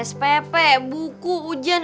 spp buku ujian